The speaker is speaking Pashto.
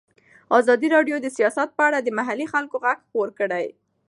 ازادي راډیو د سیاست په اړه د محلي خلکو غږ خپور کړی.